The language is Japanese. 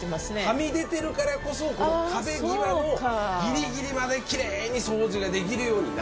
はみ出てるからこそこの壁際をギリギリまできれいに掃除ができるようになって。